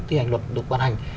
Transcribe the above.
thi hành luật được quan hành